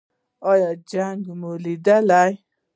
ایا جنګ مو لیدلی؟